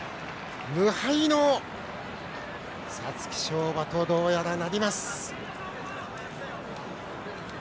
無敗の皐月賞馬とどうやらなります。